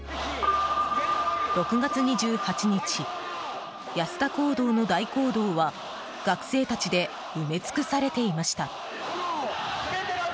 ６月２８日、安田講堂の大講堂は学生たちで埋め尽くされていました。